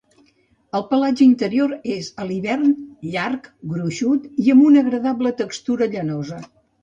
El pelatge interior és a l'hivern llarg, gruixut i amb una agradable textura llanosa.